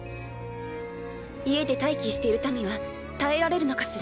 家で待機している民は耐えられるのかしら？